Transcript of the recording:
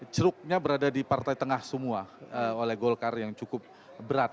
ceruknya berada di partai tengah semua oleh golkar yang cukup berat